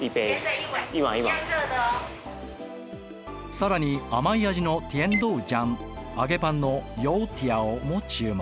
更に甘い味のティエンドウジャン揚げパンのヨウティアオも注文。